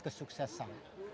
ini adalah keterangan